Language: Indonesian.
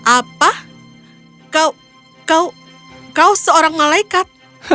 apa kau kau seorang malaikat